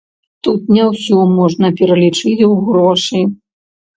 Тут не ўсё можна пералічыць ў грошы.